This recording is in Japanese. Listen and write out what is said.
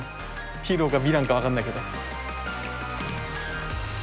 ヒーローかヴィランか分かんないけど。